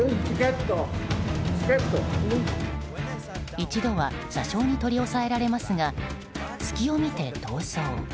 一度は車掌に取り押さえられますが隙を見て逃走。